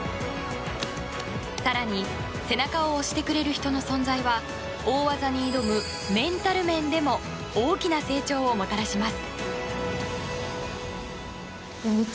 更に背中を押してくれる人の存在は大技に挑むメンタル面でも大きな成長をもたらします。